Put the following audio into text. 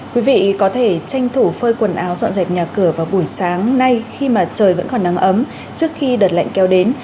quý vị có thể tranh thủ phơi quần áo dọn dẹp nhà cửa vào buổi sáng nay khi mà trời vẫn còn nắng ấm trước khi đợt lạnh kéo đến